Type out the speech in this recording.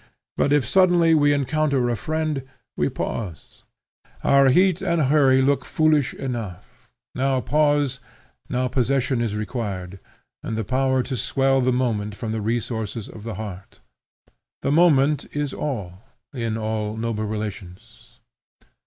But if suddenly we encounter a friend, we pause; our heat and hurry look foolish enough; now pause, now possession is required, and the power to swell the moment from the resources of the heart. The moment is all, in all noble relations.